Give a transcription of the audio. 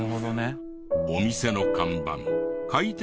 お店の看板開店